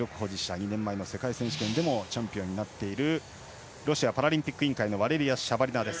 ２年前の世界選手権でもチャンピオンになっているロシアパラリンピック委員会のシャバリナです。